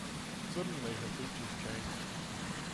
Suddenly her features changed.